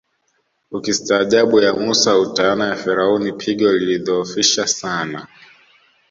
Ukistaajabu ya Mussa utayaona ya Firauni pigo lilidhoofisha sana